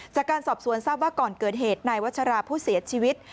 จากการสอบสวนทราบว่าก่อนเกิดเหตุนายวัชราผู้เสียชีวิต